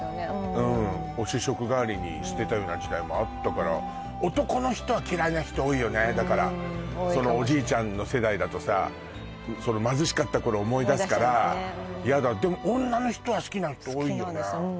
うんを主食代わりにしてたような時代もあったから男の人は嫌いな人多いよねだからそのおじいちゃんの世代だとさ貧しかった頃を思い出すからヤダでも女の人は好きな人多いよね